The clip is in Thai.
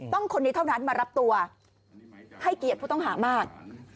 คนนี้เท่านั้นมารับตัวให้เกียรติผู้ต้องหามาก